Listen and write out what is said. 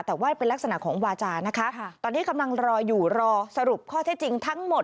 แต่ว่ามันเป็นลักษณะของวาจานะคะ